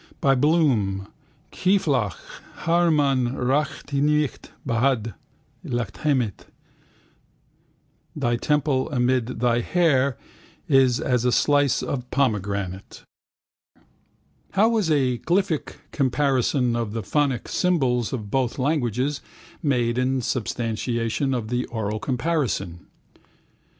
By Bloom: Kifeloch, harimon rakatejch m'baad l'zamatejch (thy temple amid thy hair is as a slice of pomegranate). How was a glyphic comparison of the phonic symbols of both languages made in substantiation of the oral comparison?